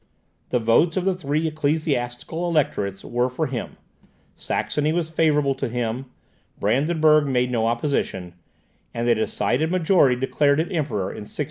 The votes of the three ecclesiastical electorates were for him, Saxony was favourable to him, Brandenburg made no opposition, and a decided majority declared him Emperor in 1619.